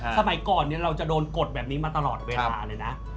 สมัยก่อนเราจะโดนกดแบบนี้มาตลอดเวลาเลยนะ